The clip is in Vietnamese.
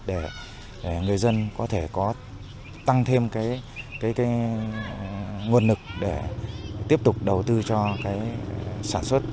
để người dân có thể tăng thêm nguồn lực để tiếp tục đầu tư cho sản xuất